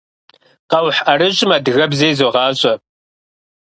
Къэухь ӏэрыщӏым адыгэбзэ изогъащӏэ.